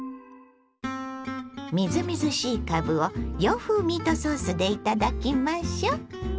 みずみずしいかぶを洋風ミートソースで頂きましょう。